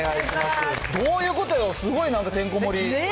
どういうことよ、すごいなんかてんこ盛り。